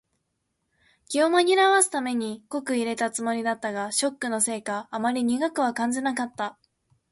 気を紛らわすために濃く淹れたつもりだったが、ショックのせいかあまり苦くは感じなかった。